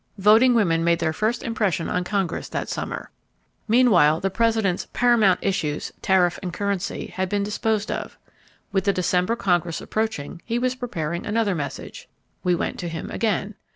Voting women made their first impression on Congress that summer. Meanwhile the President's "paramount issues"—tariff and currency—had been disposed of. With the December Congress approaching, he was preparing another message. We went to him again.